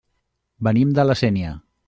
Venim de La Sénia.